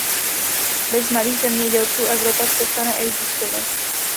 Bez malých zemědělců Evropa přestane existovat.